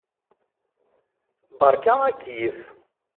Beṛka akeyyef.